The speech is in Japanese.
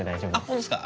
本当ですか？